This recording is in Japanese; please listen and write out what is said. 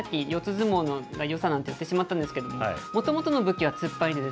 相撲のよさなんて言ってしまったんですけど、もともとの武器は突っ張りで、